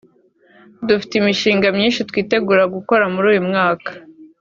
Dufite imishinga myinshi twitegura gukora muri uyu mwaka